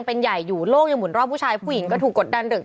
เป็นการกระตุ้นการไหลเวียนของเลือด